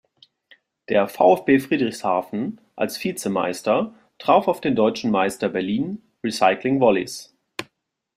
Der VfB Friedrichshafen als Vize-Meister traf auf den Deutschen Meister Berlin Recycling Volleys.